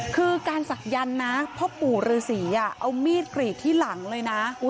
คือการศักยันต์นะพ่อปู่ฤษีเอามีดกรีดที่หลังเลยนะ